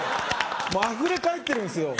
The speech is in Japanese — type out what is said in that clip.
もうあふれ返ってるんですよ。